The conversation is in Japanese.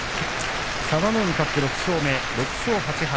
佐田の海勝って６勝目、６勝８敗。